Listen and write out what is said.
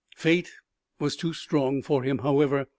Fate was too strong for him, however.